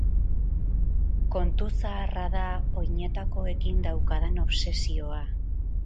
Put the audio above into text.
Kontu zaharra da oinetakoekin daukadan obsesioa.